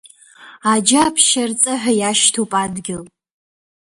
Аџьаԥшьарҵа ҳа иашьҭоп адгьыл.